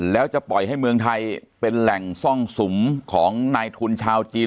แล้วจะปล่อยให้เมืองไทยเป็นแหล่งซ่องสุมของนายทุนชาวจีน